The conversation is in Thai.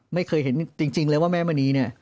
ไม่เคยเห็นจริงเลยว่าแม่มณีเนี่ย